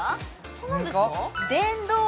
これ何ですか？